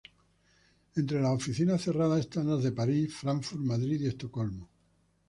Entre las oficinas cerradas están las de París, Fráncfort, Madrid y Estocolmo.